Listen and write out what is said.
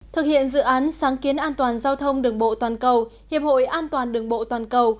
thực hiện dự án sáng kiến an toàn giao thông đường bộ toàn cầu hiệp hội an toàn đường bộ toàn cầu